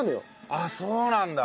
あっそうなんだ。